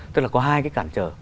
tức là có hai cái cản trở